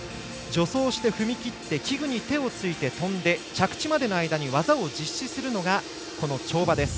助走して踏み切って器具に手をついて跳んで着地までの間に技を実施するのが跳馬です。